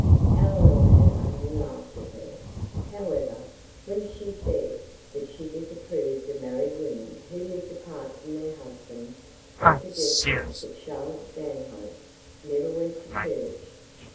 Eleanor had only laughed at her, however, when she said that she disapproved of married women who lived apart from their husbands, and suggested that Charlotte Stanhope never went to church.